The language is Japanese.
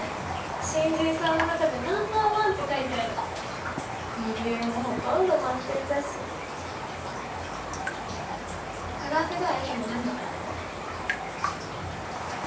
新人さんの中でＮｏ．１って書いてあるレビューもほとんど満点だしカラオケではいつも何歌うの？